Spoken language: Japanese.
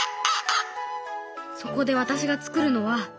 そこで私がつくるのは。